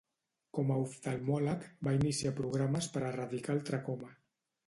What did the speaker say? Com a oftalmòleg, va iniciar programes per erradicar el tracoma.